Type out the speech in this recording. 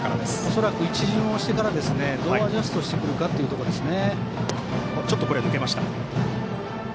恐らく、一巡をしてからどうアジャストしてくるかですね。